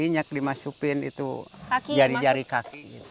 iya ini dimasukin itu jari jari kaki